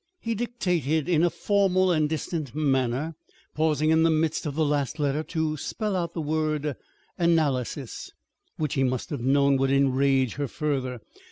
He dictated in a formal and distant manner, pausing in the midst of the last letter to spell out the word "analysis," which he must have known would enrage her further.